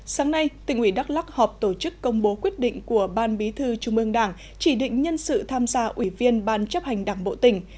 sáng nay tỉnh ủy đắk lắc họp tổ chức công bố quyết định của ban bí thư trung ương đảng chỉ định nhân sự tham gia ủy viên ban chấp hành đảng bộ tỉnh